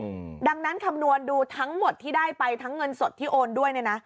อืมดังนั้นคำนวณดูทั้งหมดที่ได้ไปทั้งเงินสดที่โอนด้วยเนี้ยนะ